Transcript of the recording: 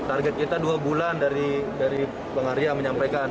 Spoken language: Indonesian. target kita dua bulan dari penghargaan menyampaikan